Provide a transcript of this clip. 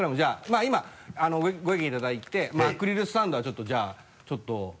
まぁ今ご意見いただいてアクリルスタンドはちょっとじゃあちょっと。